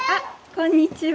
こんにちは。